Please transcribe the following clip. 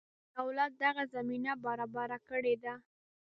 دولت دغه زمینه برابره کړې ده.